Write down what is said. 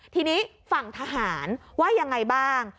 ทีนี้ฝั่งทหารว่ายังไงบ้าง